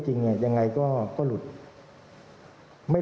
หรือไม่